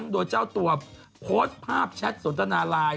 โดยเจ้าตัวโพสต์ภาพแชทสนทนาไลน์